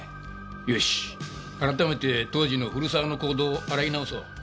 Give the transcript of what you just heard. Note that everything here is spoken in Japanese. よし改めて当時の古沢の行動を洗い直そう。